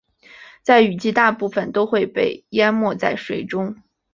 在雨季大部分都会被淹没在水里。